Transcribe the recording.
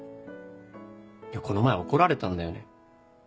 この前怒られたんだよね